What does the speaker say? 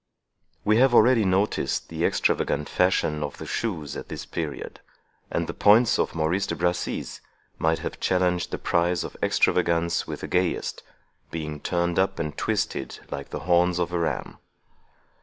We have already noticed the extravagant fashion of the shoes at this period, and the points of Maurice de Bracy's might have challenged the prize of extravagance with the gayest, being turned up and twisted like the horns of a ram.